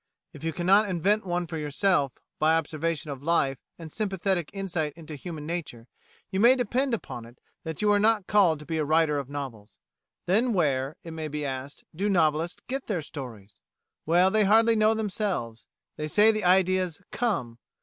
If you cannot invent one for yourself, by observation of life and sympathetic insight into human nature, you may depend upon it that you are not called to be a writer of novels. Then where, it may be asked, do novelists get their stories? Well, they hardly know themselves; they say the ideas "come."